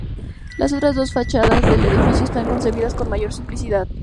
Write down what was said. Las otras dos fachadas del edificio están concebidas con mayor simplicidad.